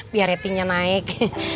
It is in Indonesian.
biar ratingnya naik